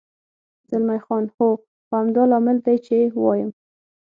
زلمی خان: هو، خو همدا لامل دی، چې وایم.